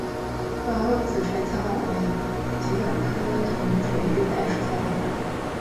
短萼紫锤草为桔梗科铜锤玉带属下的一个种。